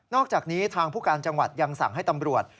อกจากนี้ทางผู้การจังหวัดยังสั่งให้ตำรวจ